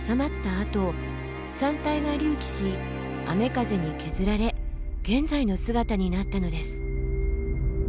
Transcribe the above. あと山体が隆起し雨風に削られ現在の姿になったのです。